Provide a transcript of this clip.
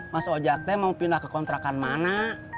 mas ojate mau pindah ke kontrakan mana